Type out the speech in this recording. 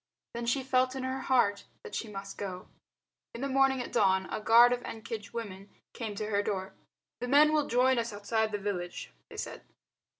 Then she felt in her heart that she must go. In the morning at dawn a guard of Ekenge women came to her door. "The men will join us outside the village," they said.